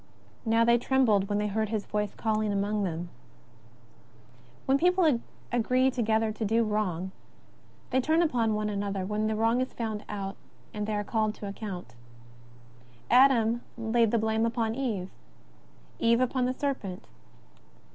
Now they trembled when they heard His voice calling them. When people agree together JESUS OF NAZAEETH. 27 to do wrong, thej turn upon one another wlien the wrong is found out and they are called to account. Adam laid the blame upon Eve, Eve upon the serpent.